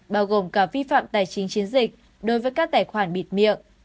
bao gồm cả vi phạm tài chính chiến dịch đối với các tài khoản bịt miệng